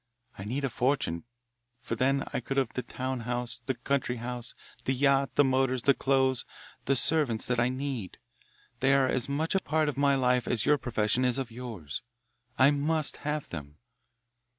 I need a fortune, for then I could have the town house, the country house, the yacht, the motors, the clothes, the servants that I need they are as much a part of my life as your profession is of yours. I must have them.